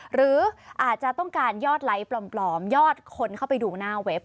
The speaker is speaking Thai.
หรืออาจจะต้องการยอดไลค์ปลอมยอดคนเข้าไปดูหน้าเว็บ